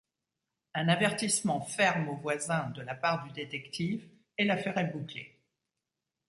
Un avertissement ferme au voisin de la part du détective et l'affaire est bouclée.